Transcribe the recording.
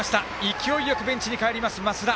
勢いよくベンチに帰ります増田。